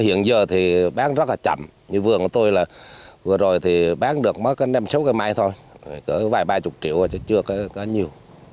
hiện giờ thì bán rất là chậm như vườn của tôi là vừa rồi thì bán được mới có năm sáu cây mai thôi cỡ vài ba mươi triệu rồi chứ chưa có nhiều